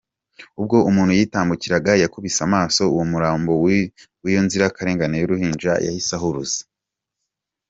Ubwo umuntu yitambukiraga yakubise amaso uwo murambo wiyo nzirakarengane y’uruhinja yahise ahuruza.